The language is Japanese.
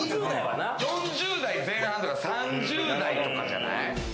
４０代前半ぐらい、３０代とかじゃない？